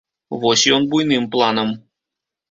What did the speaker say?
Вось ён буйным планам.